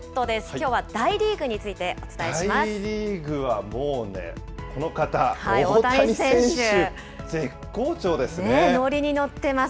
きょうは大リーグについてお伝え大リーグはもうね、この方、ノリにのってます。